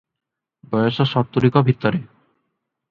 ବୟସ ସତୁରିକ ଭିତରେ ।